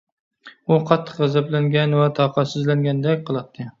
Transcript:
ئۇ قاتتىق غەزەپلەنگەن ۋە تاقەتسىزلەنگەندەك قىلاتتى.